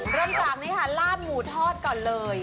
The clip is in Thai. เริ่มจากนี่ค่ะลาดหมูทอดก่อนเลย